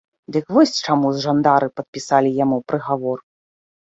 Дык вось чаму жандары падпісалі яму прыгавор.